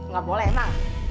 gak boleh enak